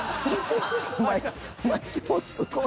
お前お前今日すごい。